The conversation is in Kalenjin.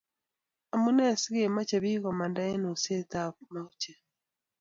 amunene sikemache pik komanda en oset ab mauche